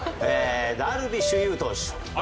ダルビッシュ有投手。